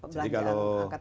belanja angkatan laut